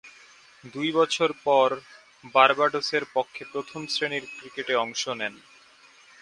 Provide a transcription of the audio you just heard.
দুই বছর পর বার্বাডোসের পক্ষে প্রথম-শ্রেণীর ক্রিকেটে অংশ নেন।